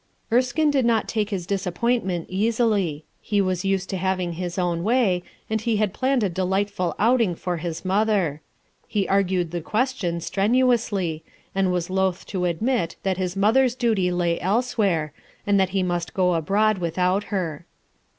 Erskine did not take bis disappointment easily. He was used to having his own way, and he had planned a delightful outing for his mother. He argued the question strenuously, and was loath A SPOILED MOTHER 103 to admit that his mother's duty lay elsewhere and that he must go abroad without her.